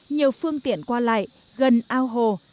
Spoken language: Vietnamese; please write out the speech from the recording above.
nhiều phương tiện qua lại gần ao hồ